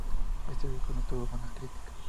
Este disco no tuvo buenas críticas.